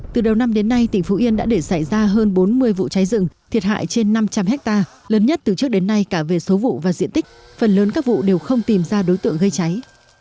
từ đầu năm đến nay tỉnh phú yên đã để xảy ra hơn bốn mươi vụ cháy rừng thiệt hại trên năm trăm linh hectare lớn nhất từ trước đến nay cả về số vụ và diện tích phần lớn các vụ đều không tìm ra đối tượng gây cháy